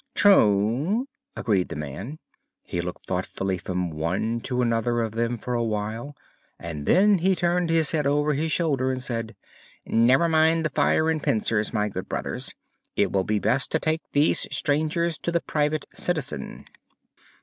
"True," agreed the man. He looked thoughtfully from one to another of them for a while and then he turned his head over his shoulder and said: "Never mind the fire and pincers, my good brothers. It will be best to take these strangers to the Private Citizen."